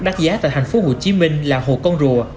đắt giá tại tp hcm là hồ con rùa